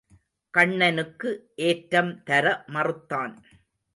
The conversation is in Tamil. கண்ணனுக்கு ஏற்றம் தர மறுத்தான்.